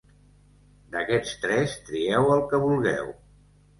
D'aquests tres, trieu el que vulgueu.